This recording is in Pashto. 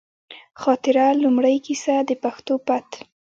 خاطره، لومړۍ کیسه ، د پښتو پت